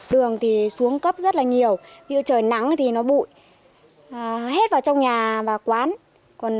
đường thì xuống cấp rất là nhiều trời nắng thì nó bụi hết vào trong nhà và quán